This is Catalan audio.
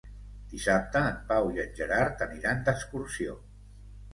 Dissabte en Pau i en Gerard aniran d'excursió.